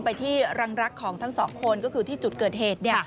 ไปที่รังรักของทั้งสองคนก็คือที่จุดเกิดเหตุ